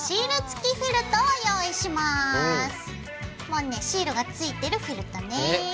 もうねシールが付いてるフェルトね。